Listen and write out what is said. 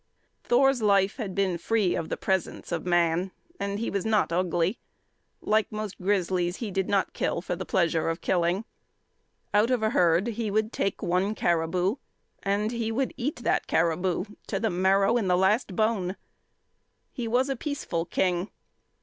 Thor's life had been free of the presence of man, and he was not ugly. Like most grizzlies, he did not kill for the pleasure of killing. Out of a herd he would take one caribou, and he would eat that caribou to the marrow in the last bone. He was a peaceful king.